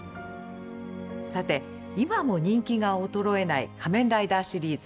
さて今も人気が衰えない「仮面ライダー」シリーズ。